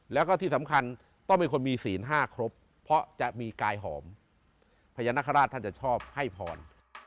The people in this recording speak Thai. แล้วก็ที่สำคัญต้องเป็นคนมีศีล๕ครบเพราะจะมีกายหอมพญานาคาราชท่านจะชอบให้พร